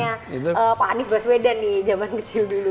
kita pengen tau kenakalannya pak anies baswedan nih zaman kecil dulu